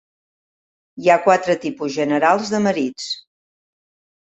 Hi ha quatre tipus generals de marits.